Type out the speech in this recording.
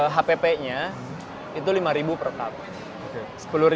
hpp nya itu rp lima per cup